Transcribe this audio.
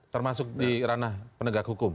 termasuk di ranah penegak hukum